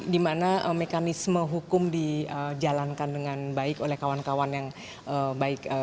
dimana mekanisme hukum dijalankan dengan baik oleh kawan kawan yang baik